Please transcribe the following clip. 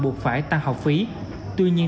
buộc phải tăng học phí tuy nhiên